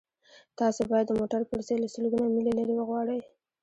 تاسو باید د موټر پرزې له سلګونه میله لرې وغواړئ